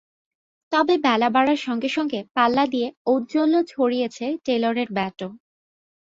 তবে বেলা বাড়ার সঙ্গে সঙ্গে পাল্লা দিয়ে ঔজ্জ্বল্য ছড়িয়েছে টেলরের ব্যাটও।